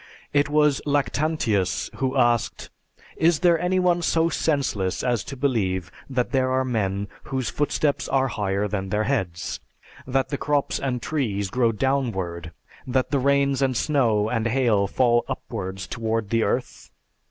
It was Lactantius who asked, "Is there any one so senseless as to believe that there are men whose footsteps are higher than their heads? That the crops and trees grow downward? That the rains and snow and hail fall upwards toward the earth?